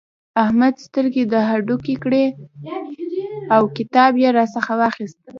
احمد سترګې د هډوکې کړې او کتاب يې راڅخه واخيست.